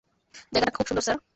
জায়গাটা খুব সুন্দর, স্যার।